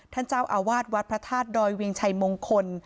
ท่านเจ้าอาวาสวัทย์พระทาสโดยวิ่งชัยมงคล